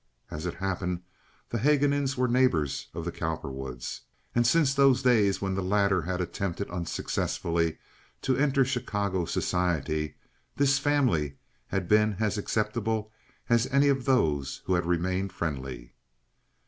As it happened, the Haguenins were neighbors of the Cowperwoods, and since those days when the latter had attempted unsuccessfully to enter Chicago society this family had been as acceptable as any of those who had remained friendly.